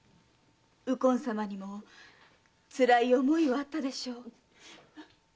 右近様にもつらい思いはあったでしょう。